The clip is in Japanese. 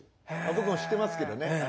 僕も知ってますけどね。